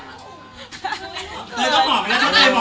ทำไมเตยตาเป็นเสียบ